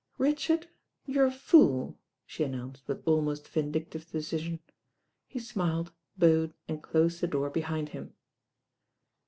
"Richard, you're a fool," she announced with al most vindictive decision. He smiled, bowed and closed the door behind him.